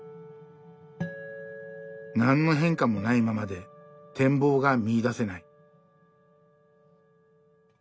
「なんの変化もないままで展望が見いだせない」。